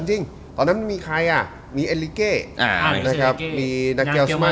จริงตอนนั้นมีใครอ่ะมีเอลิเกนะครับมีนักเกียวสมา